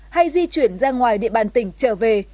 hay di chuyển ra ngoài địa bàn tỉnh trở về